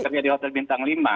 kerja di hotel bintang lima